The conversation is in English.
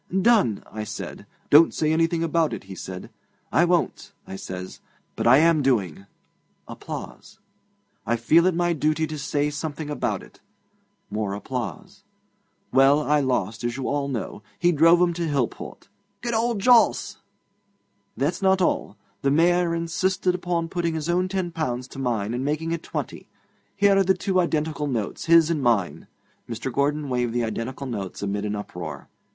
"Done," I said. "Don't say anything about it," he says. "I won't," I says but I am doing. I feel it my duty to say something about it. (More applause.) Well, I lost, as you all know. He drove 'em to Hillport. ('Good old Jos!') That's not all. The Mayor insisted on putting his own ten pounds to mine and making it twenty. Here are the two identical notes, his and mine.' Mr. Gordon waved the identical notes amid an uproar.